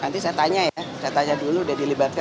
nanti saya tanya ya saya tanya dulu udah dilibatkan